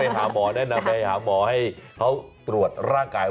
หาหมอแนะนำไปหาหมอให้เขาตรวจร่างกาย